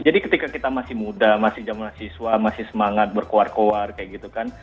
jadi ketika kita masih muda masih zaman siswa masih semangat berkuar kuar kayak gitu kan